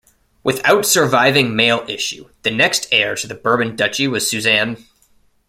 Without surviving male issue, the next heir to the Bourbon Duchy was Suzanne.